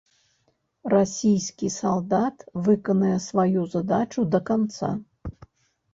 Расійскі салдат выканае сваю задачу да канца!